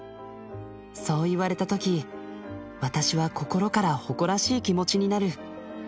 そう言われた時私は心から誇らしい気持ちになる。